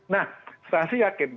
nah saya sih yakin